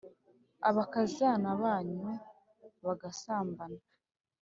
abakazana banyu bagasambana.